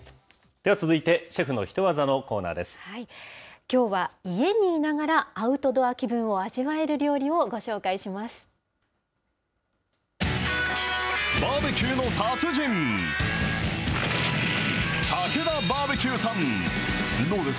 では続いて、シェフのヒトワザのきょうは家にいながらアウトドア気分を味わえる料理をご紹介します。